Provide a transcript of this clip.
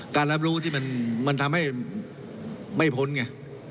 การรับรู้ที่มันทำให้ไม่โพสไง